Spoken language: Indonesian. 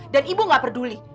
dan ibu gak peduli